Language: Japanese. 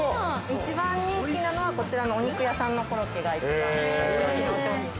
◆一番人気なのは、こちらのお肉屋さんのコロッケが、一番人気の商品です。